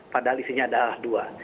dalam sosialisasi adalah dua